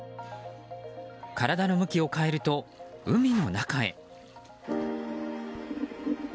体の向きを変えると海の中へ。